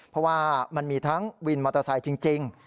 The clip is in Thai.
เพราะว่ามันมีทั้งวินมอเตอร์ไซค์จริง